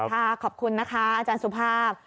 ขอบคุณนะคะอาจารย์สุภาพ